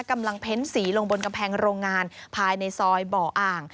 เพ้นสีลงบนกำแพงโรงงานภายในซอยบ่ออ่าง